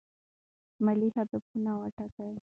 مالي هدفونه وټاکئ.